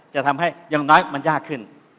จะทำให้อย่างน้อยมันยากขึ้น